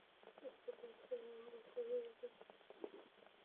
ইউক্রেনের মতো খ্রিস্টান দেশ এটি বহুল ব্যবহৃত।